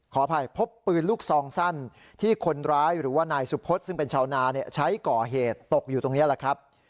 ขออภัยพบปืนลูกซองสั้นที่คนร้ายหรือว่านายสุพศซึ่งเป็นชาวนาใช้ก่อเหตุตกอยู่ตรงนี้แหละครับ